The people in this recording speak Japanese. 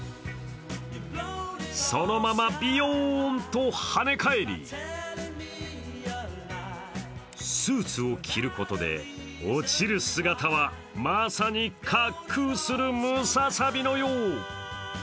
そのままビヨーンとはね返りスーツを着ることで落ちる姿はまさに滑空するムササビのよう。